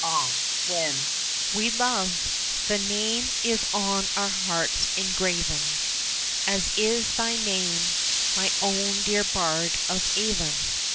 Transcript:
Ah, when We love, the name is on our hearts engraven, As is thy name, my own dear Bard of Avon!